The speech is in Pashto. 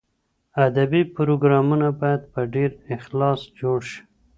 ادبي پروګرامونه باید په ډېر اخلاص جوړ شي.